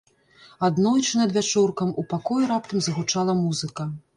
Аднойчы надвячоркам ў пакоі раптам загучала музыка.